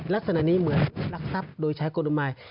ลักษณะนี้เหมือนรักทรัพย์โดยใช้กลุมาย